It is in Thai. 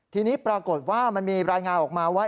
ทีนี้ปรากฏว่ามันมีรายงานออกมาว่า